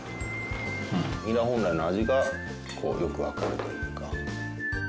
ニラ本来の味がよくわかるというか。